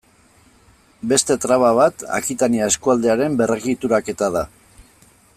Beste traba bat Akitania eskualdearen berregituraketa da.